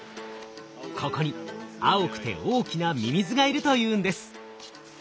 ここに青くて大きなミミズがいるというんです。